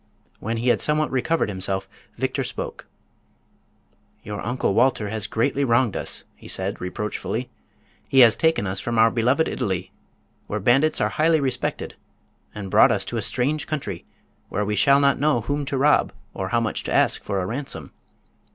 When he had somewhat recovered himself Victor spoke. "Your Uncle Walter has greatly wronged us," he said, reproachfully. "He has taken us from our beloved Italy, where bandits are highly respected, and brought us to a strange country where we shall not know whom to rob or how much to ask for a ransom."